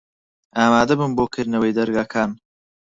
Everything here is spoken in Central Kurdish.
ئامادە بن بۆ کردنەوەی دەرگاکان.